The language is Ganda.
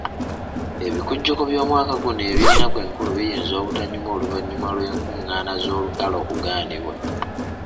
Ebikujjuko by'omwaka guno eby'nnaku enkulu biyinza obutanyuma oluvannyuma lw'enkungaana ez'olukale okugaanibwa.